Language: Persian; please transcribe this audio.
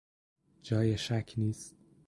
جای شک نیست.